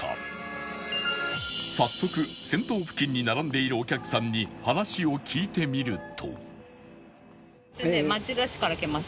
早速先頭付近に並んでいるお客さんに話を聞いてみると